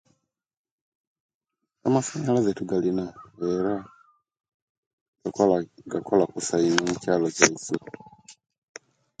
Amasaanyalaze tugalina eera gakola gakola kusa ino omukyaalo kyaisu.